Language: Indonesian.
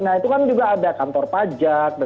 nah itu kan juga ada kantor pajak